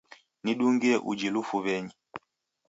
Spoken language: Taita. Nidungie uji lufuw'enyi.